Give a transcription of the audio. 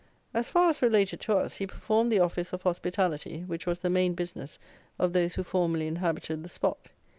As far as related to us, he performed the office of hospitality, which was the main business of those who formerly inhabited the spot.